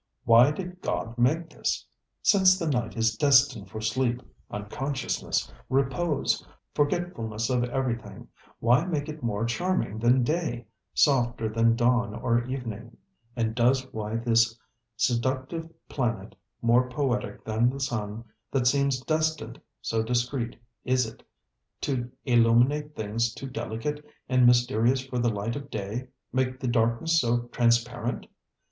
ŌĆ£Why did God make this? Since the night is destined for sleep, unconsciousness, repose, forgetfulness of everything, why make it more charming than day, softer than dawn or evening? And why does this seductive planet, more poetic than the sun, that seems destined, so discreet is it, to illuminate things too delicate and mysterious for the light of day, make the darkness so transparent?